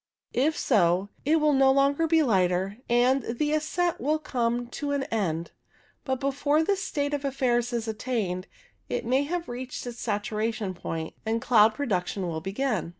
If so, it will no longer be lighter, and the ascent will come to an end. But before this state of affairs is attained it may have reached its saturation 'point, and cloud production will begin.